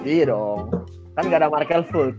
iya dong kan gak ada markel fulch